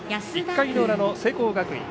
１回の裏の聖光学院。